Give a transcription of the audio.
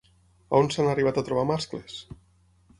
On s'han arribat a trobar mascles?